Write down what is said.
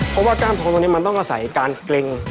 เพราะว่ากล้ามตรงตรงนี้มันอาศัยการเกล็ง